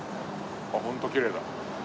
ホントきれいだ。